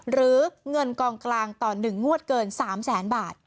หรือเงินกองกลางต่อ๑งวดเกิน๓แสนบาท